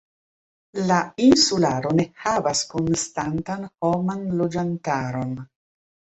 La insularo ne havas konstantan homan loĝantaron.